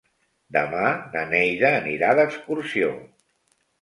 Demà na Neida anirà d'excursió.